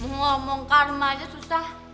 ngomong karma aja susah